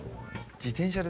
自転車で。